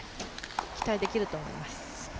期待できると思います。